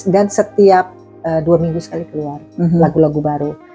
dan setiap dua minggu sekali keluar lagu lagu baru